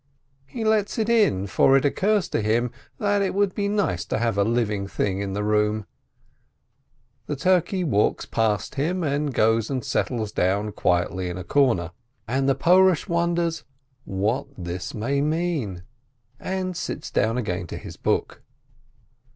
He lets it in, for it occurs to him that it would be nice to have a living tiling in the room. The mrkev '^ralkf r sn ' :rr, s~ ' roes .g~ ~ fe riles L:" T. :iieil~ in a corner. AIM! tlw» Pornsh wonders what ihi* nay mean, and sits down again to his book.